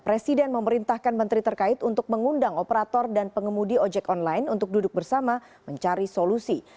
presiden memerintahkan menteri terkait untuk mengundang operator dan pengemudi ojek online untuk duduk bersama mencari solusi